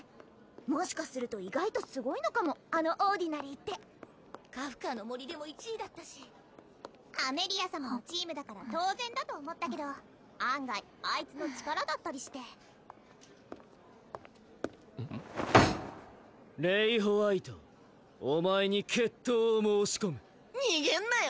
もしかすると意外とすごいのかもあのオーディナリーってカフカの森でも１位だったしアメリア様のチームだから当然だと思ったけど案外あいつの力だったりしてレイ＝ホワイトお前に決闘を申し込む逃げんなよ